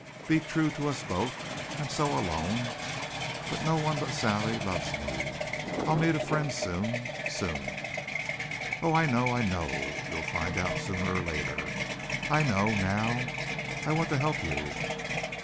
Be true to us both! I'm so alone no one but Sally loves me. I'll need a friend soon soon. "Oh, I know I know what you'll find out sooner or later. I know now! I want to help you.